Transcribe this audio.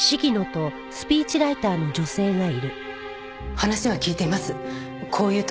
話は聞いています。